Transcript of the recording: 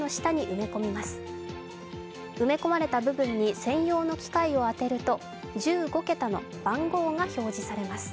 埋め込まれた部分に専用の機械を当てると１５桁の番号が表示されます。